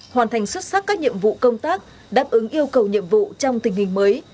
hoàn thành xuất sắc các nhiệm vụ công tác đáp ứng yêu cầu nhiệm vụ trong tình hình mới